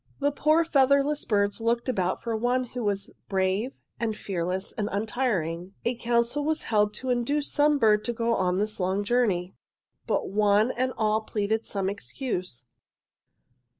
"'The poor featherless birds looked about for one who was brave and fearless and untiring. A council was held to induce some bird to go on this long journey. "'But one and all pleaded some excuse.